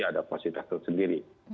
ada fasilitasnya sendiri